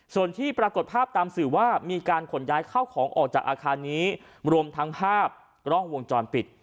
ส่วนที่ปรากฏภาพตามสื่อว่ามีการขนย้ายเข้าของออกจากอาคารนี้รวมทั้งภาพกล้องวงจรปิด